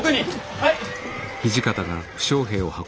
はい！